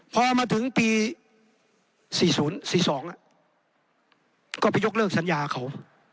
พอมาถึงปี๔๐๔๒ก็ไปยกเลิกสัญญาเขา